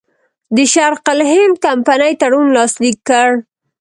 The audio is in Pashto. د شرق الهند کمپنۍ تړون لاسلیک کړ.